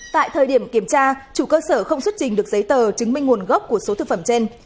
tại thời điểm kiểm tra chủ cơ sở không xuất trình được giấy tờ chứng minh nguồn gốc của số thực phẩm trên